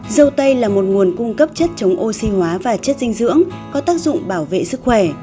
dâu tây là một nguồn cung cấp chất chống oxy hóa và chất dinh dưỡng có tác dụng bảo vệ sức khỏe